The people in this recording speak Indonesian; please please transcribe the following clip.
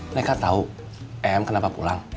mereka tahu m kenapa pulang